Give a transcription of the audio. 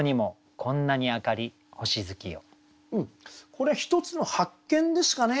これ一つの発見ですかね。